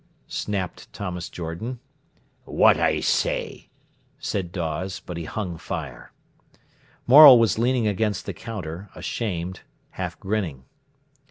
snapped Thomas Jordan. "What I say," said Dawes, but he hung fire. Morel was leaning against the counter, ashamed, half grinning.